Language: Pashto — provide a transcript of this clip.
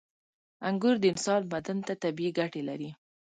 • انګور د انسان بدن ته طبیعي ګټې لري.